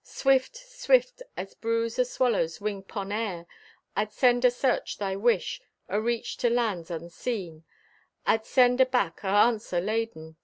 Swift, swift as bruise o' swallows' wing 'pon air, I'd send asearch thy wish, areach to lands unseen; I'd send aback o' answer laden.